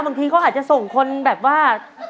บางทีเขาอาจจะส่งคนแบบว่า